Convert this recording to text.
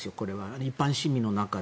一般市民の中で。